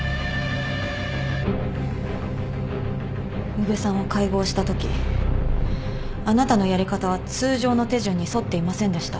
宇部さんを解剖したときあなたのやり方は通常の手順に沿っていませんでした。